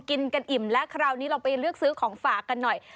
กินกันอิ่มแล้วคราวนี้เราไปเลือกซื้อของฝากกันหน่อย